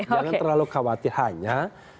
jangan terlalu khawatir hanya